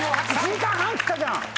「１時間半」っつったじゃん！